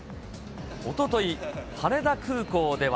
おととい、羽田空港では。